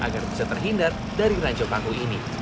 agar bisa terhindar dari ranjau paku ini